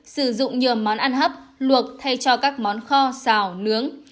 sử dụng nhiều món ăn hấp luộc thay cho các món kho xào nướng